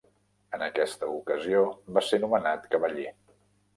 En aquesta ocasió va ser nomenat cavaller.